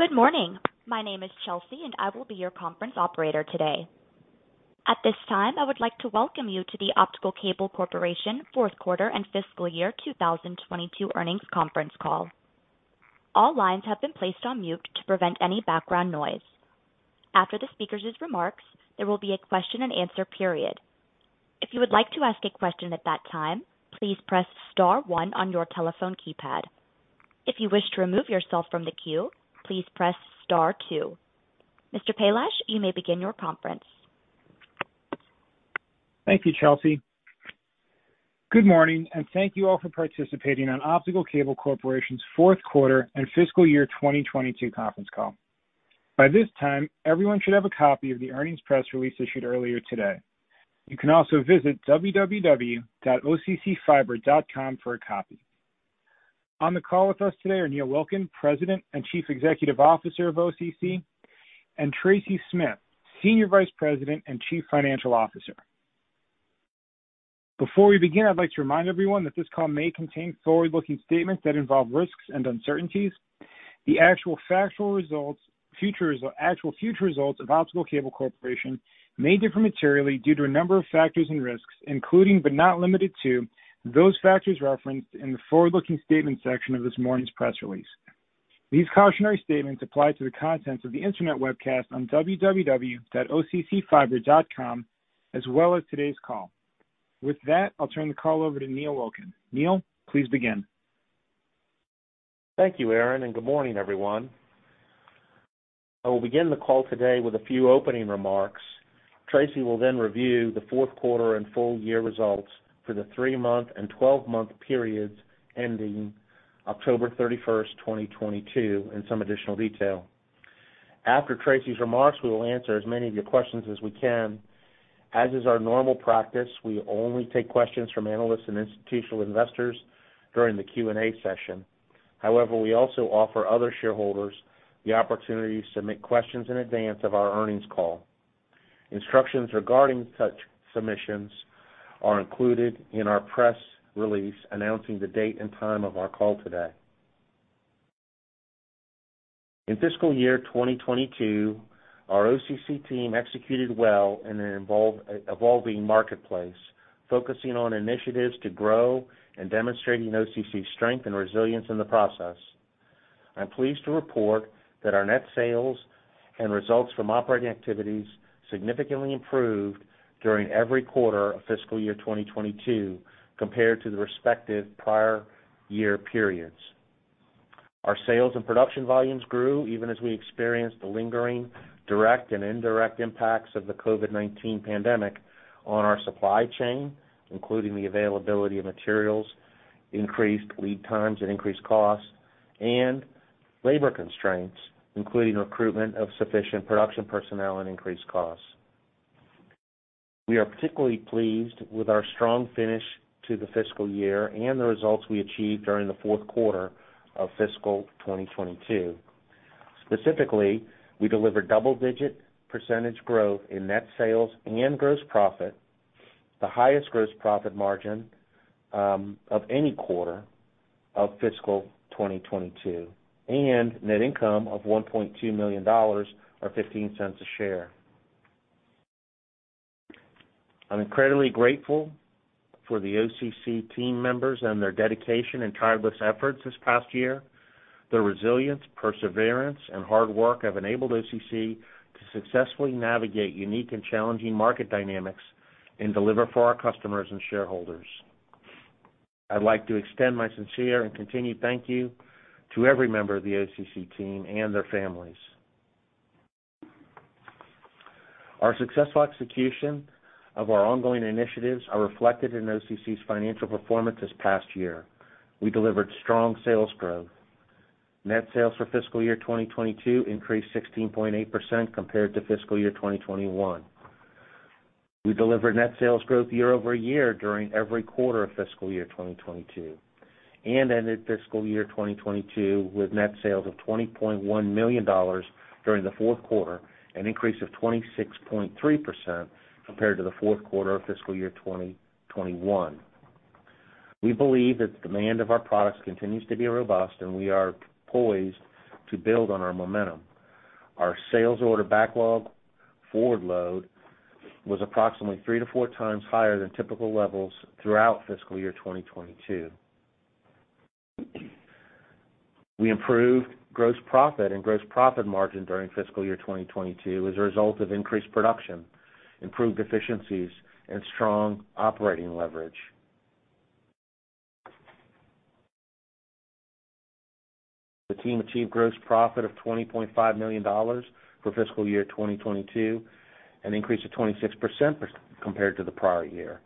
Good morning. My name is Chelsea. I will be your conference operator today. At this time, I would like to welcome you to the Optical Cable Corporation fourth quarter and fiscal year 2022 earnings conference call. All lines have been placed on mute to prevent any background noise. After the speakers' remarks, there will be a question-and-answer period. If you would like to ask a question at that time, please press star one on your telephone keypad. If you wish to remove yourself from the queue, please press star two. Mr. Palasch, you may begin your conference. Thank you, Chelsea. Good morning, and thank you all for participating on Optical Cable Corporation's fourth quarter and fiscal year 2022 conference call. By this time, everyone should have a copy of the earnings press release issued earlier today. You can also visit www.occfiber.com for a copy. On the call with us today are Neil Wilkin, President and Chief Executive Officer of OCC, and Tracy Smith, Senior Vice President and Chief Financial Officer. Before we begin, I'd like to remind everyone that this call may contain forward-looking statements that involve risks and uncertainties. The actual factual results, actual future results of Optical Cable Corporation may differ materially due to a number of factors and risks, including, but not limited to, those factors referenced in the forward-looking statements section of this morning's press release. These cautionary statements apply to the contents of the internet webcast on www.occfiber.com, as well as today's call. With that, I'll turn the call over to Neil Wilkin. Neil, please begin. Thank you, Aaron. Good morning, everyone. I will begin the call today with a few opening remarks. Tracy will review the fourth quarter and full year results for the three-month and 12-month periods ending October 31st, 2022 in some additional detail. After Tracy's remarks, we will answer as many of your questions as we can. As is our normal practice, we only take questions from analysts and institutional investors during the Q&A session. We also offer other shareholders the opportunity to submit questions in advance of our earnings call. Instructions regarding such submissions are included in our press release announcing the date and time of our call today. In fiscal year 2022, our OCC team executed well in an evolving marketplace, focusing on initiatives to grow and demonstrating OCC strength and resilience in the process. I'm pleased to report that our net sales and results from operating activities significantly improved during every quarter of fiscal year 2022 compared to the respective prior year periods. Our sales and production volumes grew even as we experienced the lingering direct and indirect impacts of the COVID-19 pandemic on our supply chain, including the availability of materials, increased lead times and increased costs, and labor constraints, including recruitment of sufficient production personnel and increased costs. We are particularly pleased with our strong finish to the fiscal year and the results we achieved during the fourth quarter of fiscal 2022. Specifically, we delivered double-digit % growth in net sales and gross profit, the highest gross profit margin of any quarter of fiscal 2022, and net income of $1.2 million or $0.15 a share. I'm incredibly grateful for the OCC team members and their dedication and tireless efforts this past year. Their resilience, perseverance, and hard work have enabled OCC to successfully navigate unique and challenging market dynamics and deliver for our customers and shareholders. I'd like to extend my sincere and continued thank you to every member of the OCC team and their families. Our successful execution of our ongoing initiatives are reflected in OCC's financial performance this past year. We delivered strong sales growth. Net sales for fiscal year 2022 increased 16.8% compared to fiscal year 2021. We delivered net sales growth year-over-year during every quarter of fiscal year 2022 and ended fiscal year 2022 with net sales of $20.1 million during the fourth quarter, an increase of 26.3% compared to the fourth quarter of fiscal year 2021. We believe that demand of our products continues to be robust, and we are poised to build on our momentum. Our sales order backlog forward load was approximately three to four times higher than typical levels throughout fiscal year 2022. We improved gross profit and gross profit margin during fiscal year 2022 as a result of increased production, improved efficiencies, and strong operating leverage. The team achieved gross profit of $20.5 million for fiscal year 2022, an increase of 26% compared to the prior year.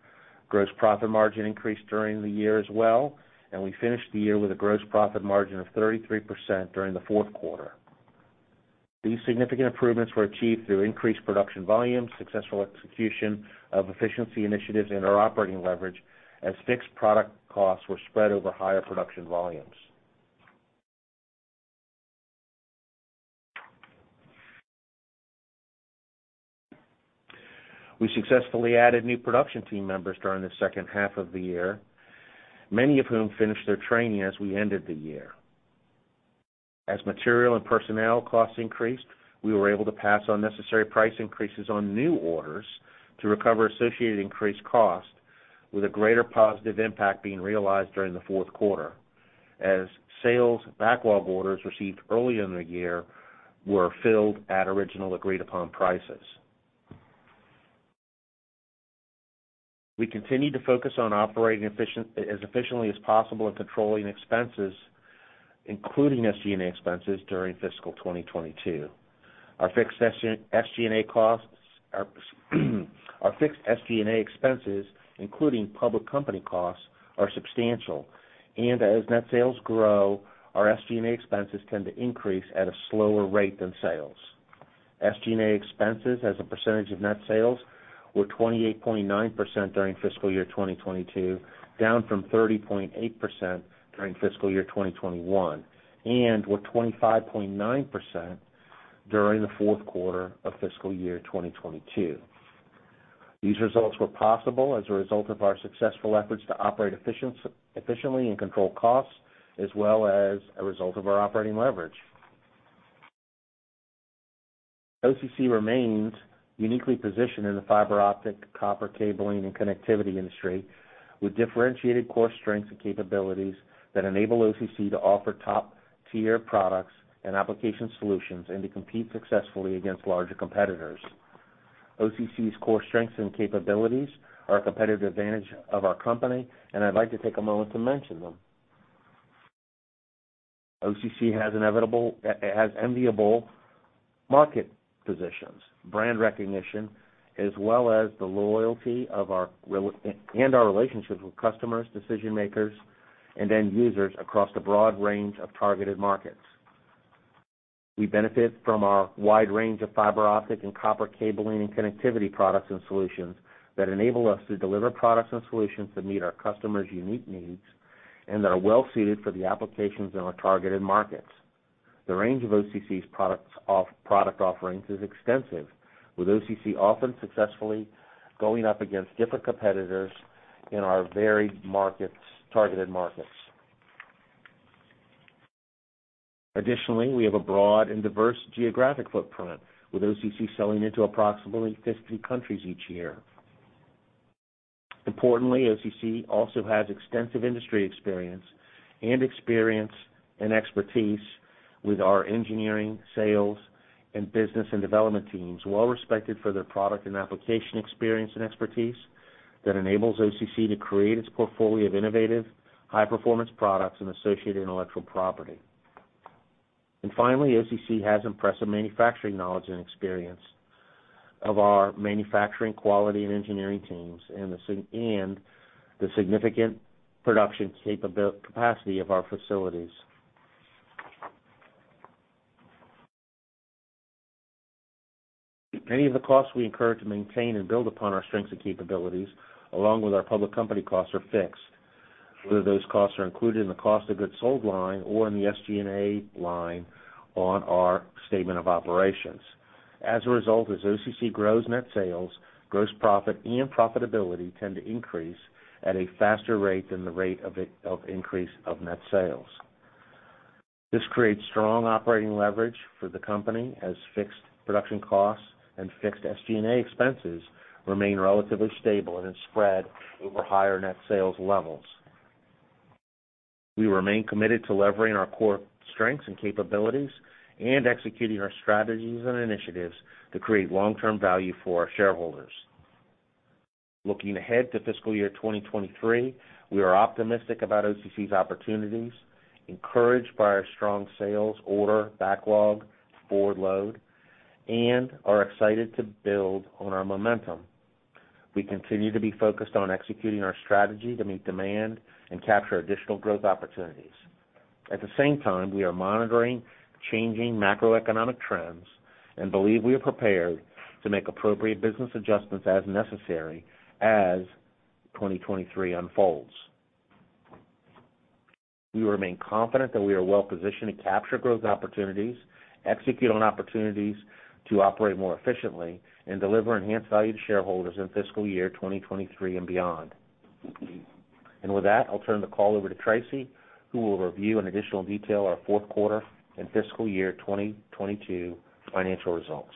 Gross profit margin increased during the year as well. We finished the year with a gross profit margin of 33% during the fourth quarter. These significant improvements were achieved through increased production volumes, successful execution of efficiency initiatives, and our operating leverage as fixed product costs were spread over higher production volumes. We successfully added new production team members during the second half of the year, many of whom finished their training as we ended the year. As material and personnel costs increased, we were able to pass on necessary price increases on new orders to recover associated increased costs, with a greater positive impact being realized during the fourth quarter as sales backlog orders received early in the year were filled at original agreed-upon prices. We continued to focus on operating as efficiently as possible and controlling expenses, including SG&A expenses during fiscal 2022. Our fixed SG&A expenses, including public company costs, are substantial. As net sales grow, our SG&A expenses tend to increase at a slower rate than sales. SG&A expenses as a percentage of net sales were 28.9% during fiscal year 2022, down from 30.8% during fiscal year 2021, and were 25.9% during the fourth quarter of fiscal year 2022. These results were possible as a result of our successful efforts to operate efficiently and control costs, as well as a result of our operating leverage. OCC remains uniquely positioned in the fiber optic, copper cabling, and connectivity industry, with differentiated core strengths and capabilities that enable OCC to offer top-tier products and application solutions and to compete successfully against larger competitors. OCC's core strengths and capabilities are a competitive advantage of our company. I'd like to take a moment to mention them. OCC has enviable market positions, brand recognition, as well as the loyalty of our relationships with customers, decision-makers, and end users across a broad range of targeted markets. We benefit from our wide range of fiber optic and copper cabling and connectivity products and solutions that enable us to deliver products and solutions that meet our customers' unique needs and that are well suited for the applications in our targeted markets. The range of OCC's product offerings is extensive, with OCC often successfully going up against different competitors in our targeted markets. Additionally, we have a broad and diverse geographic footprint, with OCC selling into approximately 50 countries each year. Importantly, OCC also has extensive industry experience and expertise with our engineering, sales, and business and development teams, well-respected for their product and application experience and expertise that enables OCC to create its portfolio of innovative, high-performance products and associated intellectual property. Finally, OCC has impressive manufacturing knowledge and experience of our manufacturing quality and engineering teams and the significant production capacity of our facilities. Many of the costs we incur to maintain and build upon our strengths and capabilities, along with our public company costs, are fixed, whether those costs are included in the cost of goods sold line or in the SG&A line on our statement of operations. As OCC grows net sales, gross profit and profitability tend to increase at a faster rate than the rate of increase of net sales. This creates strong operating leverage for the company as fixed production costs and fixed SG&A expenses remain relatively stable and spread over higher net sales levels. We remain committed to leveraging our core strengths and capabilities and executing our strategies and initiatives to create long-term value for our shareholders. Looking ahead to fiscal year 2023, we are optimistic about OCC's opportunities, encouraged by our strong sales order backlog forward load, and are excited to build on our momentum. We continue to be focused on executing our strategy to meet demand and capture additional growth opportunities. At the same time, we are monitoring changing macroeconomic trends and believe we are prepared to make appropriate business adjustments as necessary as 2023 unfolds. We remain confident that we are well-positioned to capture growth opportunities, execute on opportunities to operate more efficiently, and deliver enhanced value to shareholders in fiscal year 2023 and beyond. With that, I'll turn the call over to Tracy, who will review in additional detail our fourth quarter and fiscal year 2022 financial results.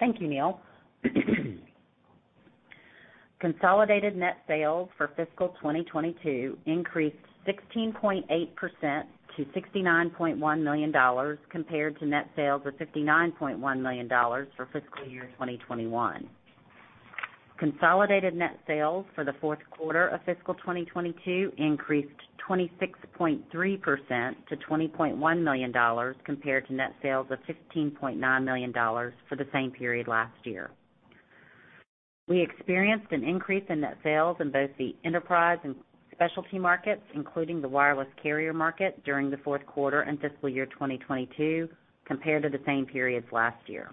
Thank you, Neil. Consolidated net sales for fiscal 2022 increased 16.8% to $69.1 million compared to net sales of $59.1 million for fiscal year 2021. Consolidated net sales for the fourth quarter of fiscal 2022 increased 26.3% to $20.1 million compared to net sales of $15.9 million for the same period last year. We experienced an increase in net sales in both the enterprise and specialty markets, including the wireless carrier market, during the fourth quarter and fiscal year 2022 compared to the same periods last year.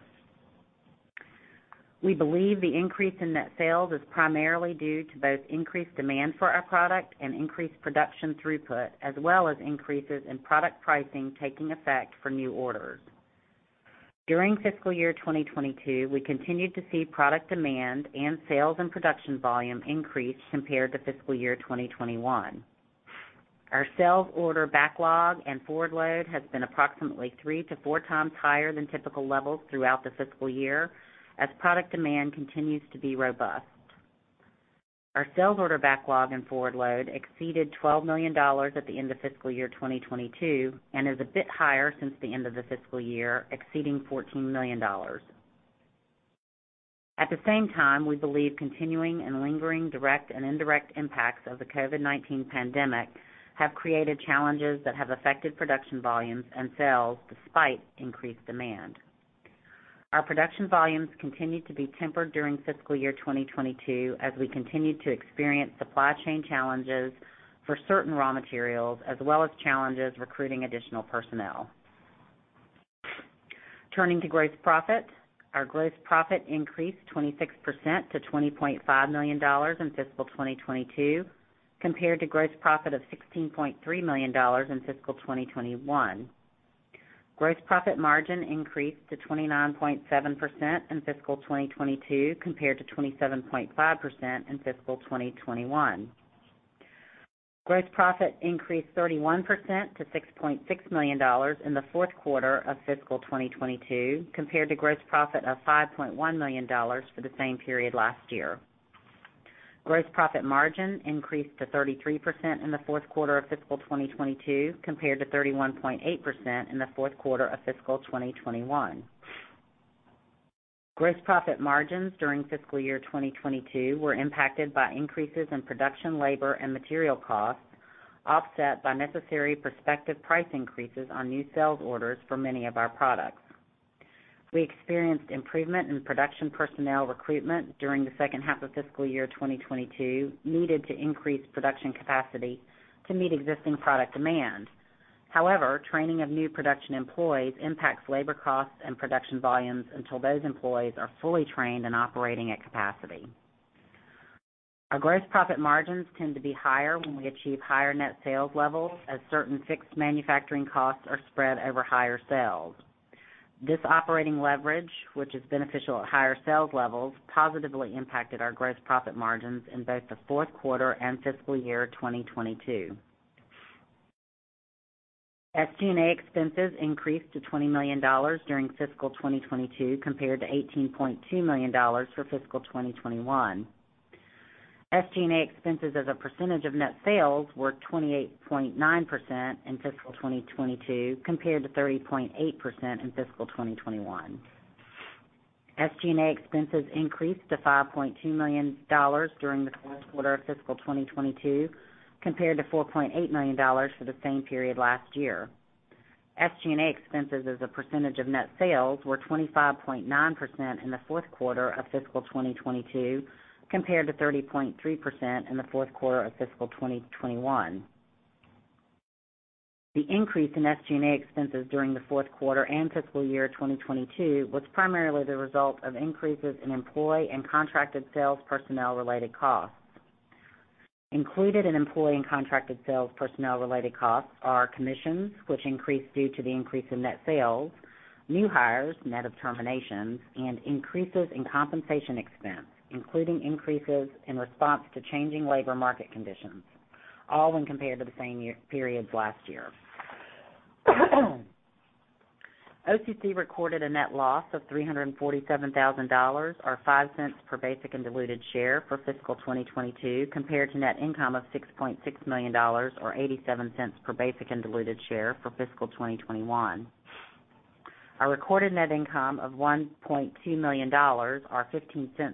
We believe the increase in net sales is primarily due to both increased demand for our product and increased production throughput, as well as increases in product pricing taking effect for new orders. During fiscal year 2022, we continued to see product demand and sales and production volume increase compared to fiscal year 2021. Our sales order backlog and forward load has been approximately three to four times higher than typical levels throughout the fiscal year as product demand continues to be robust. Our sales order backlog and forward load exceeded $12 million at the end of fiscal year 2022, and is a bit higher since the end of the fiscal year, exceeding $14 million. At the same time, we believe continuing and lingering direct and indirect impacts of the COVID-19 pandemic have created challenges that have affected production volumes and sales despite increased demand. Our production volumes continued to be tempered during fiscal year 2022 as we continued to experience supply chain challenges for certain raw materials, as well as challenges recruiting additional personnel. Turning to gross profit. Our gross profit increased 26% to $20.5 million in fiscal 2022, compared to gross profit of $16.3 million in fiscal 2021. Gross profit margin increased to 29.7% in fiscal 2022 compared to 27.5% in fiscal 2021. Gross profit increased 31% to $6.6 million in the fourth quarter of fiscal 2022, compared to gross profit of $5.1 million for the same period last year. Gross profit margin increased to 33% in the fourth quarter of fiscal 2022 compared to 31.8% in the fourth quarter of fiscal 2021. Gross profit margins during fiscal year 2022 were impacted by increases in production, labor and material costs, offset by necessary prospective price increases on new sales orders for many of our products. We experienced improvement in production personnel recruitment during the second half of fiscal year 2022, needed to increase production capacity to meet existing product demand. However, training of new production employees impacts labor costs and production volumes until those employees are fully trained and operating at capacity. Our gross profit margins tend to be higher when we achieve higher net sales levels as certain fixed manufacturing costs are spread over higher sales. This operating leverage, which is beneficial at higher sales levels, positively impacted our gross profit margins in both the fourth quarter and fiscal year 2022. SG&A expenses increased to $20 million during fiscal 2022 compared to $18.2 million for fiscal 2021. SG&A expenses as a percentage of net sales were 28.9% in fiscal 2022 compared to 30.8% in fiscal 2021. SG&A expenses increased to $5.2 million during the fourth quarter of fiscal 2022 compared to $4.8 million for the same period last year. SG&A expenses as a percentage of net sales were 25.9% in the fourth quarter of fiscal 2022 compared to 30.3% in the fourth quarter of fiscal 2021. The increase in SG&A expenses during the fourth quarter and fiscal year 2022 was primarily the result of increases in employee and contracted sales personnel related costs. Included in employee and contracted sales personnel related costs are commissions, which increased due to the increase in net sales, new hires, net of terminations, and increases in compensation expense, including increases in response to changing labor market conditions, all when compared to the same periods last year. OCC recorded a net loss of $347,000, or $0.05 per basic and diluted share for fiscal 2022, compared to net income of $6.6 million, or $0.87 per basic and diluted share for fiscal 2021. Our recorded net income of $1.2 million or $0.15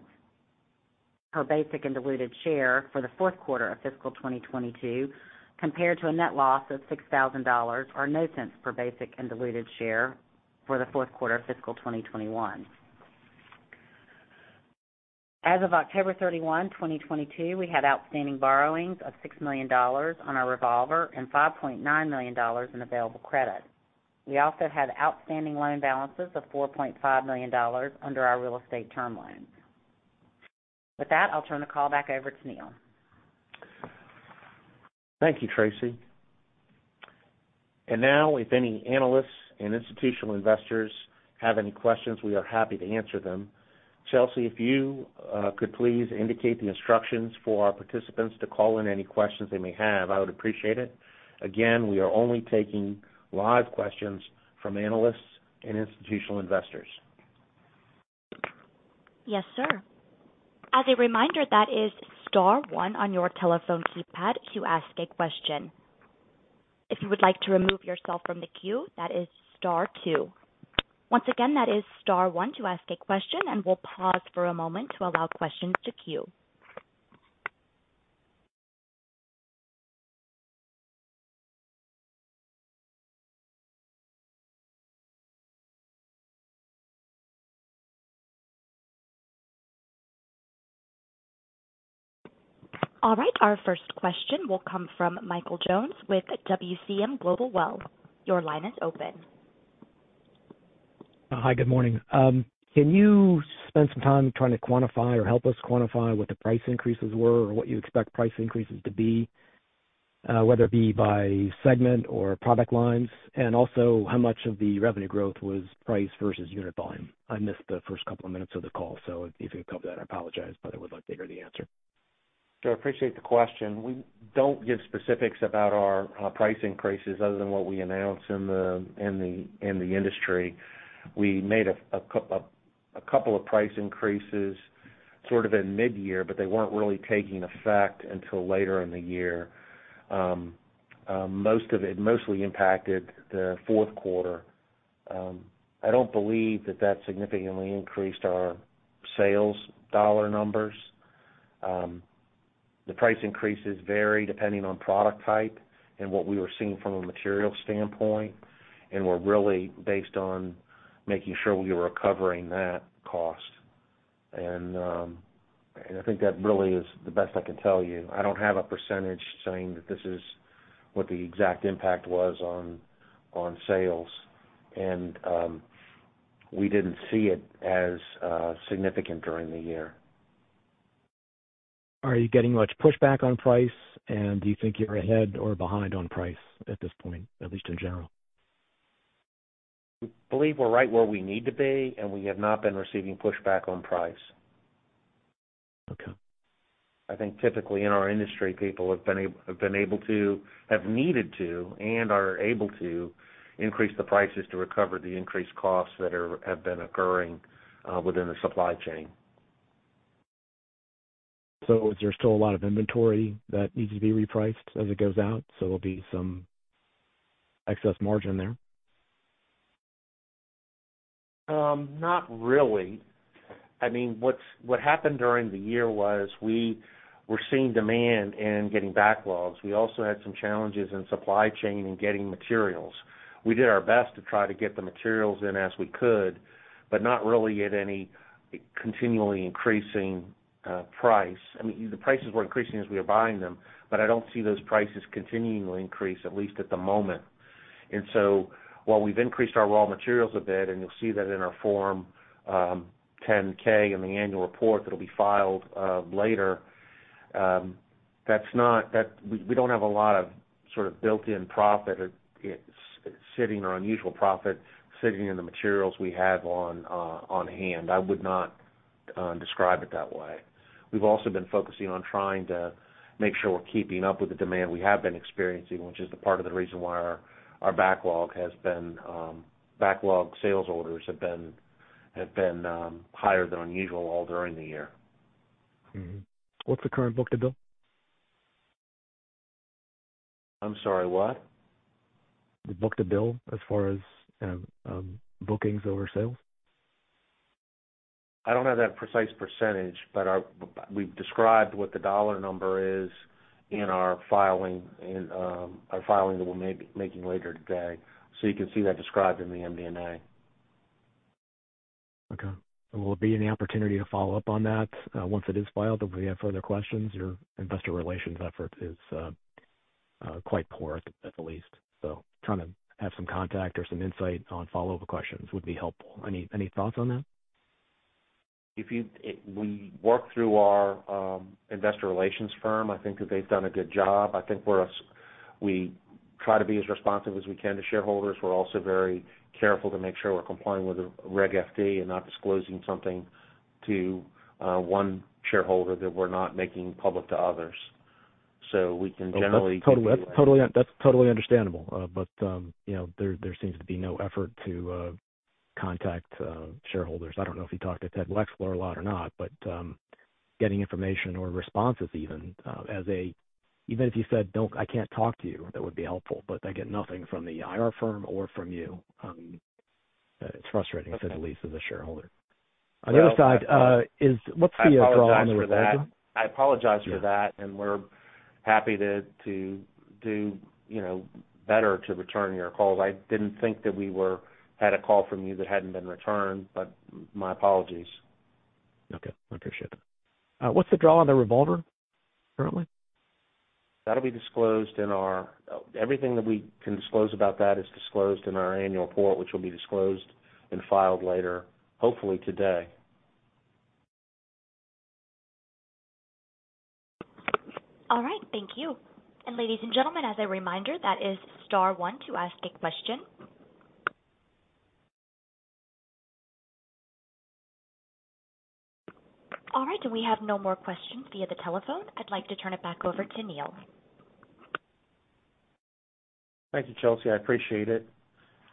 per basic and diluted share for the fourth quarter of fiscal 2022 compared to a net loss of $6,000 or $0.00 per basic and diluted share for the fourth quarter of fiscal 2021. As of October 31, 2022, we had outstanding borrowings of $6 million on our revolver and $5.9 million in available credit. We also had outstanding loan balances of $4.5 million under our real estate term loans. With that, I'll turn the call back over to Neil. Thank you, Tracy. Now, if any analysts and institutional investors have any questions, we are happy to answer them. Chelsea, if you could please indicate the instructions for our participants to call in any questions they may have, I would appreciate it. Again, we are only taking live questions from analysts and institutional investors. Yes, sir. As a reminder, that is star one on your telephone keypad to ask a question. If you would like to remove yourself from the queue, that is star two. Once again, that is star one to ask a question, and we'll pause for a moment to allow questions to queue. All right, our first question will come from Michael Jones with WCM Global Wealth. Your line is open. Hi, good morning. Can you spend some time trying to quantify or help us quantify what the price increases were or what you expect price increases to be? Whether it be by segment or product lines, and also how much of the revenue growth was price versus unit volume. I missed the first couple of minutes of the call, so if you could cover that, I apologize, but I would like to hear the answer. Sure, I appreciate the question. We don't give specifics about our price increases other than what we announce in the industry. We made a couple of price increases sort of in mid-year, but they weren't really taking effect until later in the year. Mostly impacted the fourth quarter. I don't believe that significantly increased our sales dollar numbers. The price increases vary depending on product type and what we were seeing from a material standpoint, and were really based on making sure we were recovering that cost. I think that really is the best I can tell you. I don't have a percentage saying that this is what the exact impact was on sales. We didn't see it as significant during the year. Are you getting much pushback on price? Do you think you're ahead or behind on price at this point, at least in general? I believe we're right where we need to be, and we have not been receiving pushback on price. Okay. I think typically in our industry, people have been able to, have needed to and are able to increase the prices to recover the increased costs that have been occurring within the supply chain. Is there still a lot of inventory that needs to be repriced as it goes out, so there'll be some excess margin there? Not really. I mean, what happened during the year was we were seeing demand and getting backlogs. We also had some challenges in supply chain and getting materials. We did our best to try to get the materials in as we could, but not really at any continually increasing price. I mean, the prices were increasing as we were buying them, but I don't see those prices continually increase, at least at the moment. While we've increased our raw materials a bit, and you'll see that in our form, Form 10-K in the annual report that'll be filed later, that's not. We don't have a lot of sort of built-in profit, it's sitting or unusual profit sitting in the materials we have on hand. I would not describe it that way. We've also been focusing on trying to make sure we're keeping up with the demand we have been experiencing, which is the part of the reason why our backlog has been, backlog sales orders have been higher than unusual all during the year. Mm-hmm. What's the current book-to-bill? I'm sorry, what? The book-to-bill as far as, bookings over sales. I don't have that precise percentage, but we've described what the dollar number is in our filing in our filing that we'll make later today. You can see that described in the MD&A. Okay. Will there be any opportunity to follow up on that, once it is filed if we have further questions? Your investor relations effort is, quite poor, at the least. Trying to have some contact or some insight on follow-up questions would be helpful. Any, any thoughts on that? We work through our investor relations firm. I think that they've done a good job. I think we try to be as responsive as we can to shareholders. We're also very careful to make sure we're complying with Regulation FD and not disclosing something to one shareholder that we're not making public to others. That's totally understandable. You know, there seems to be no effort to contact shareholders. I don't know if you talked to Ted Weschler a lot or not, getting information or responses even if you said, "Don't. I can't talk to you," that would be helpful. I get nothing from the IR firm or from you, it's frustrating. Okay. To say the least as a shareholder. Well. On the other side, what's the draw on the revolver? I apologize for that. I apologize for that. Yeah. We're happy to do, you know, better to return your calls. I didn't think that we had a call from you that hadn't been returned, but my apologies. I appreciate that. What's the draw on the revolver currently? That'll be disclosed in our... everything that we can disclose about that is disclosed in our annual report, which will be disclosed and filed later, hopefully today. All right. Thank you. Ladies and gentlemen, as a reminder, that is star one to ask a question. All right. We have no more questions via the telephone. I'd like to turn it back over to Neil. Thank you, Chelsea. I appreciate it.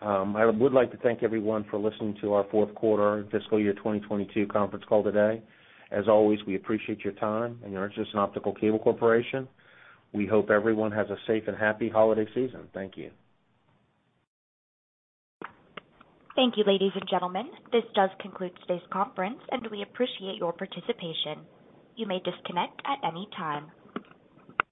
I would like to thank everyone for listening to our fourth quarter fiscal year 2022 conference call today. As always, we appreciate your time, and you're just an Optical Cable Corporation. We hope everyone has a safe and happy holiday season. Thank you. Thank you, ladies and gentlemen. This does conclude today's conference, and we appreciate your participation. You may disconnect at any time.